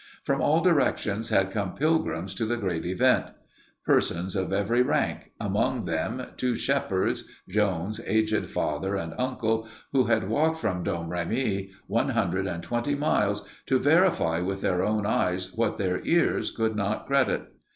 From all directions had come pilgrims to the great event persons of every rank, among them two shepherds, Joan's aged father and uncle, who had walked from Domremy, one hundred and twenty miles, to verify with their own eyes what their ears could not credit.